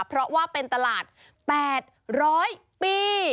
เพราะว่าเป็นตลาด๘๐๐ปี